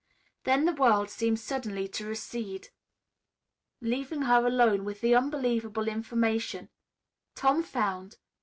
Then the world seemed suddenly to recede, leaving her alone with the unbelievable information: "Tom found.